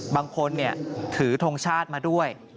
บางคนถือทงชาติมาด้วย